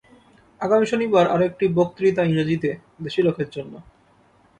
আগামী শনিবার আর একটি বক্তৃতা ইংরেজীতে, দেশী লোকের জন্য।